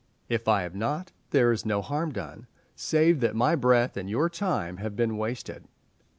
If I have not, there is no harm done, save that my breath and your time have been wasted.